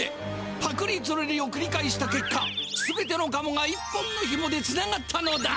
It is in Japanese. パクリつるりをくり返したけっか全てのカモが一本のひもでつながったのだ！